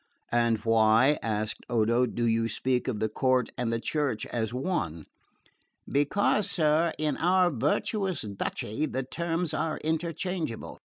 "And why," asked Odo, "do you speak of the court and the Church as one?" "Because, sir, in our virtuous duchy the terms are interchangeable.